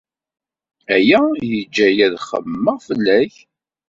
Aya yeǧǧa-iyi ad xemmemeɣ fell-ak.